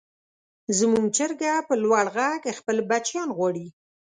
زموږ چرګه په لوړ غږ خپل بچیان غواړي.